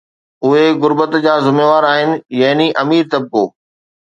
اهي غربت جا ذميوار آهن، يعني امير طبقو